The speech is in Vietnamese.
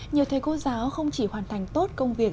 nhiều thầy cô giáo không chỉ hoàn thành tốt công việc